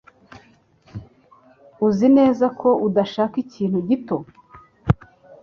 Uzi neza ko udashaka ikintu gito?